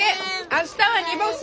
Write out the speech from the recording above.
明日は煮干し！